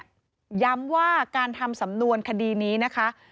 ย้ำว่าการทำสำนวนคดีนี้นะคะ